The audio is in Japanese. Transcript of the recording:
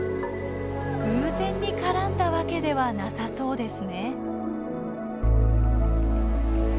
偶然に絡んだわけではなさそうですね。